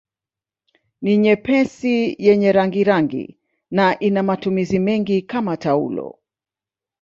Ni nyepesi yenye rangirangi na ina matumizi mengi kama taulo